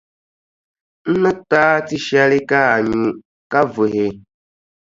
N ni ti a tiʼshɛli ka a nyu, ka vuhi.